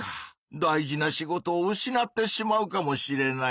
大事な仕事を失ってしまうかもしれない。